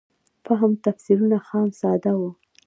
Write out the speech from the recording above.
فهم تفسیرونه خام ساده وو.